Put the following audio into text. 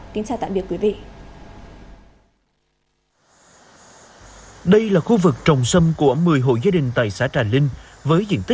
kính chào tạm biệt quý vị